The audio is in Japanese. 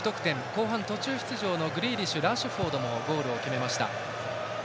後半途中出場のグリーリッシュラッシュフォードもゴールを決めました。